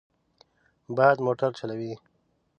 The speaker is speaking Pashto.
باد موټر چلوي.